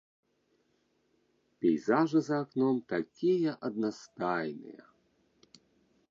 Пейзажы за акном такія аднастайныя.